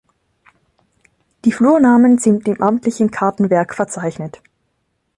Die Flurnamen sind im amtlichen Kartenwerk verzeichnet.